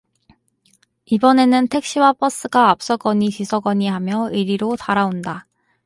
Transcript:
이번에는 택시와 버스가 앞서거니 뒤서거니 하며 이리로 달아온다.